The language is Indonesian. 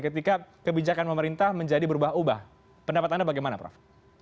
ketika kebijakan pemerintah menjadi berubah ubah pendapat anda bagaimana prof